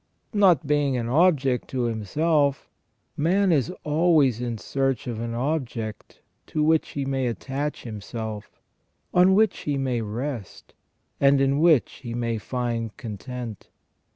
Not being an object to himself, man is always in search of an object to which he may attach himself, on which he may rest, and in which he may find content.